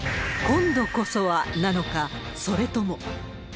今度こそはなのか、それとも。